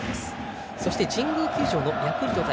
そして神宮球場のヤクルト対